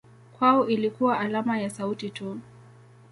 Kwao ilikuwa alama ya sauti tu.